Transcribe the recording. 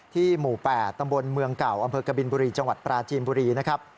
หมู่๘ตำบลเมืองเก่าอำเภอกบินบุรีจังหวัดปราจีนบุรีนะครับ